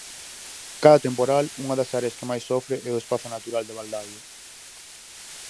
Cada temporal, unha das áreas que máis sofre é o espazo natural de Baldaio.